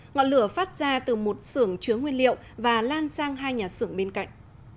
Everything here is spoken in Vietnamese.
ngọn lửa phát ra từ một sưởng chứa nguyên liệu và lan sang hai nhà xưởng bên cạnh